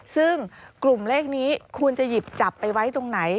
ซึ่งกลุ่มเลขนี้ควรจะหยิบจับไปไว้ตรงไหน